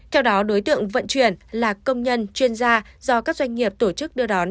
theo đó đối tượng vận chuyển là công nhân chuyên gia do các doanh nghiệp tổ chức đưa đón